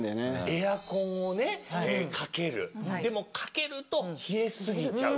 エアコンをねかけるでもかけると冷え過ぎちゃうと。